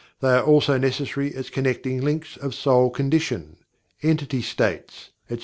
They are also necessary as "connecting links" of soul condition; entity states, etc.